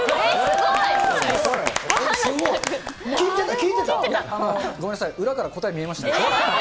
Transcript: ごめんなさい、裏から答え見えました。